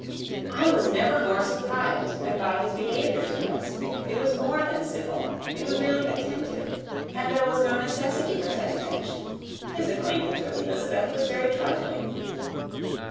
"I was never more surprised than by his behaviour to us. It was more than civil; it was really attentive; and there was no necessity for such attention. His acquaintance with Elizabeth was very trifling."